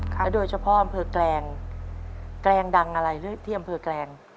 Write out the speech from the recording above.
แล้วโดยเฉพาะอำเภอแกลงแกลงดังอะไรที่อำเภอแกลง